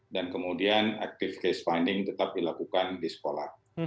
dan kemudian active case finding tetap dilakukan di sekolah